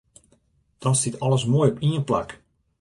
Dan stiet alles moai op ien plak.